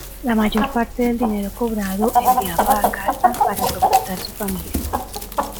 La mayor parte del dinero cobrado enviaba a casa para soportar su familia.